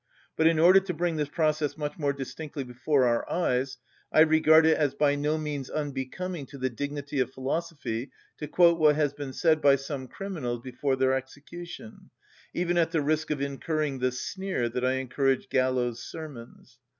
But, in order to bring this process much more distinctly before our eyes, I regard it as by no means unbecoming to the dignity of philosophy to quote what has been said by some criminals before their execution, even at the risk of incurring the sneer that I encourage gallows' sermons.